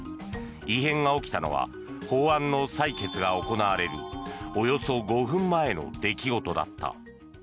異変が起きたのは法案の採決が行われるおよそ５分前の出来事だった。